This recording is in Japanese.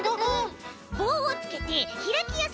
ぼうをつけてひらきやすくしたんだ。